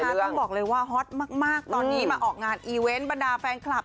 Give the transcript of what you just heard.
ต้องบอกเลยว่าฮอตมากตอนนี้มาออกงานอีเวนต์บรรดาแฟนคลับ